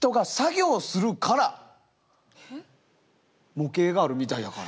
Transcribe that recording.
模型があるみたいやから。